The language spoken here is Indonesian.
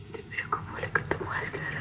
tapi aku boleh ketemu askara